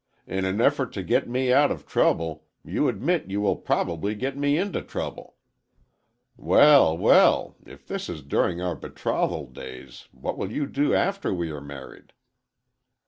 In an effort to get me out of trouble, you admit you will probably get me into trouble. Well, well, if this is during our betrothal days, what will you do after we are married?"